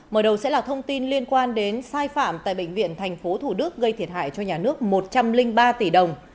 mở đầu sẽ là thông tin liên quan đến sai phạm tại bệnh viện tp thủ đức gây thiệt hại cho nhà nước một trăm linh ba tỷ đồng